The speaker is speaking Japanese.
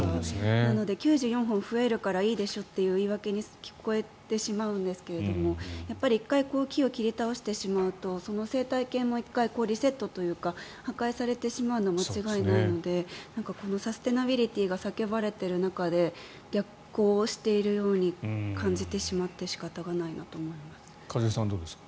なので、９４本増えるからいいでしょという言い訳に聞こえてしまうんですがやっぱり１回、木を切り倒してしまうとその生態系も１回リセットというか破壊されてしまうのは間違いないのでこのサステナビリティーが叫ばれてる中で逆行してるように感じてしまって一茂さんはどうですか？